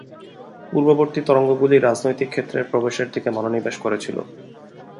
পূর্ববর্তী তরঙ্গগুলি রাজনৈতিক ক্ষেত্রে প্রবেশের দিকে মনোনিবেশ করেছিল।